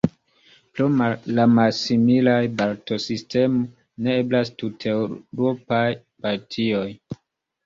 Pro la malsimilaj balotsistemoj, ne eblas tuteŭropaj partioj.